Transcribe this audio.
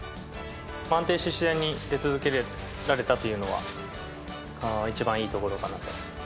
安定して試合に出続けられたというのは、一番いいところかなと。